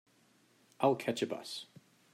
I'll catch a bus.